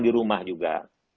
di rumah juga